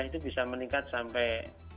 itu bisa meningkat sampai